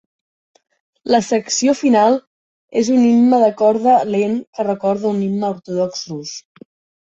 La secció final és un himne de corda lent que recorda un himne ortodox rus.